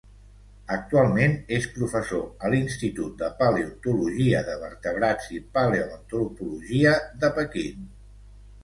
Actualment és professor a l'Institut de Paleontologia de Vertebrats i Paleoantropologia de Pequín.